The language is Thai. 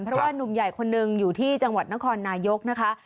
เพราะว่านุ่มใหญ่คนนึงอยู่ที่จังหวัดนครนายกนะคะ